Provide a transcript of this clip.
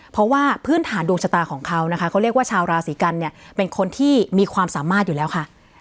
เพราะว่าพื้นฐานดวงชะตาของเขานะคะเขาเรียกว่าชาวราศีกันเนี่ยเป็นคนที่มีความสามารถอยู่แล้วค่ะ